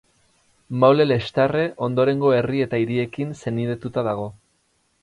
Maule-Lextarre ondorengo herri eta hiriekin senidetuta dago.